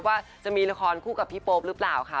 ว่าจะมีละครคู่กับพี่โป๊ปหรือเปล่าค่ะ